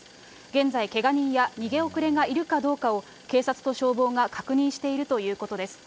現在、けが人や逃げ遅れがいるかどうかを警察と消防が確認しているということです。